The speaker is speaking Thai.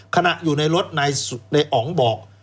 ขณะอยู่ในรถนายอ๋องบอก